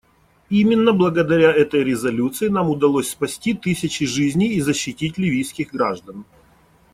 Именно благодаря этой резолюции нам удалось спасти тысячи жизней и защитить ливийских граждан.